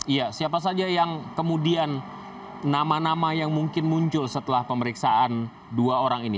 iya siapa saja yang kemudian nama nama yang mungkin muncul setelah pemeriksaan dua orang ini